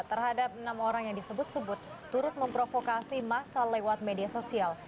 terhadap enam orang yang disebut sebut turut memprovokasi masa lewat media sosial